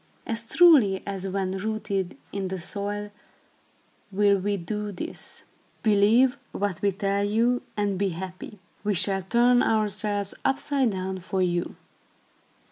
As truly as when rooted in the soil, will we do this. Believe what we tell you, and be happy. We shall turn ourselves upside down for you."